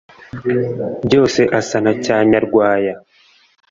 Byose asa na cya Nyarwaya